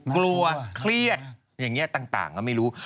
เครียดอย่างนี้ต่างก็ไม่รู้